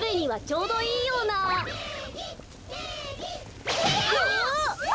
うわ！